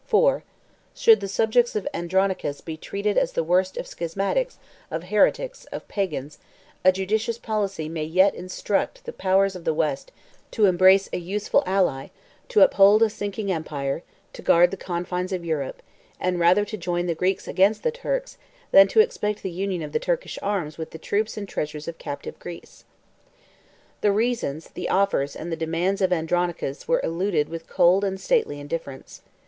4. Should the subjects of Andronicus be treated as the worst of schismatics, of heretics, of pagans, a judicious policy may yet instruct the powers of the West to embrace a useful ally, to uphold a sinking empire, to guard the confines of Europe; and rather to join the Greeks against the Turks, than to expect the union of the Turkish arms with the troops and treasures of captive Greece." The reasons, the offers, and the demands, of Andronicus were eluded with cold and stately indifference.